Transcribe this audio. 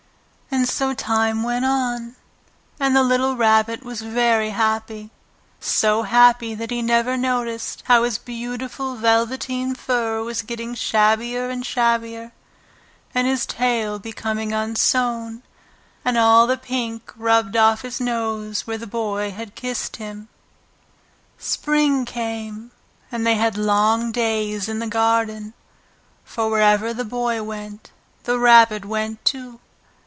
And so time went on, and the little Rabbit was very happy so happy that he never noticed how his beautiful velveteen fur was getting shabbier and shabbier, and his tail becoming unsewn, and all the pink rubbed off his nose where the Boy had kissed him. Spring came, and they had long days in the garden, for wherever the Boy went the Rabbit went too.